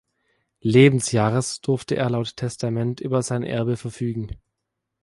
Lebensjahres durfte er laut Testament über sein Erbe verfügen.